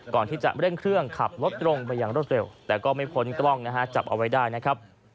ก่อนที่จะเร่งเครื่องขับรถตรงไปอย่างรวดเร็วแต่ก็ไม่พ้นกล้องนะฮะจับเอาไว้ได้นะครับ